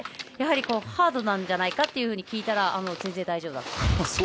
やはりハードなんじゃないかって聞いたら全然大丈夫だと。